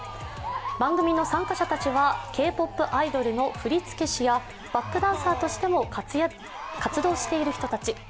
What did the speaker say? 番組の参加者たちはＫ−ＰＯＰアイドルの振付師やバックダンサーとしても活動している人たち。